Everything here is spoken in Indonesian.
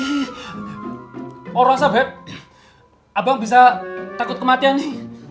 ih orang rasa beb abang bisa takut kematian nih